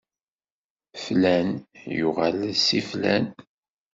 Flan yuɣal d Si Flan.